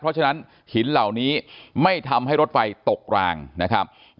เพราะฉะนั้นหินเหล่านี้ไม่ทำให้รถไฟตกรางนะครับ